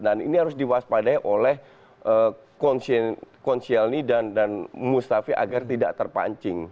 dan ini harus diwaspadai oleh conscielny dan mustafi agar tidak terpancing